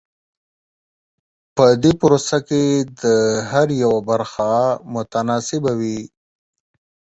په دې پروسه کې د هر یوه برخه متناسبه وي.